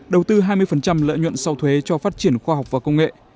đầu tư hai mươi lợi nhuận sau thuế cho phát triển khoa học và công nghệ